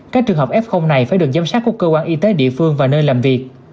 các trường hợp f này phải được giám sát của cơ quan y tế địa phương và nơi làm việc